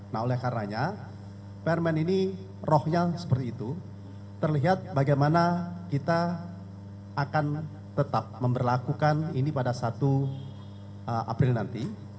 nah oleh karenanya permen ini rohnya seperti itu terlihat bagaimana kita akan tetap memperlakukan ini pada satu april nanti